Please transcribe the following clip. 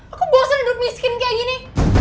aku bosen hidup miskin kayak gini